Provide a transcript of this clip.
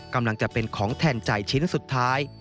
กำลังจะเป็นของแทนใจชิ้นสุดท้าย